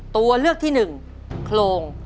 ตัวเลือกที่หนึ่งโครง